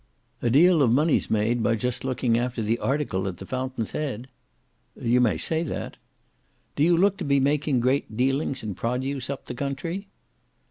"A deal of money's made by just looking after the article at the fountain's head." "You may say that." "Do you look to be making great dealings in produce up the country?"